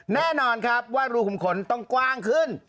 แน่นอนครับว่ารูขุมขนต้องกว้างขึ้น